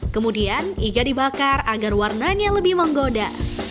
kemudian iga dibakar agar warnanya lebih menggoda